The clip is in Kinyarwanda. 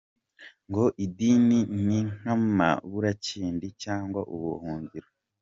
Ngo idini ni nk’amaburakindi cyangwa ubuhungiro.